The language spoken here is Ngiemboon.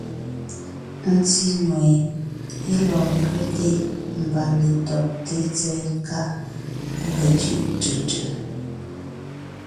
Ńtí nue (é lɔɔn ńkẅɛte mbà) letɔgté tsɛ̀ɛ nkáʼ ge cʉ́ʼ tʉ tʉ.